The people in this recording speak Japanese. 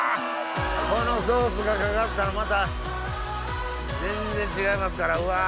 このソースがかかったらまた全然違いますから。